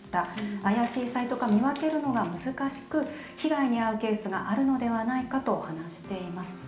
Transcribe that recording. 怪しいサイトか見分けるのが難しく被害に遭うケースがあるのではないかと話しています。